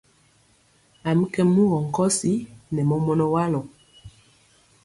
A mi kɛ mugɔ nkɔsi nɛ mɔmɔnɔ walɔ.